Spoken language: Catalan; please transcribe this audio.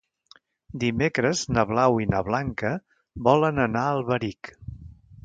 Dimecres na Blau i na Blanca volen anar a Alberic.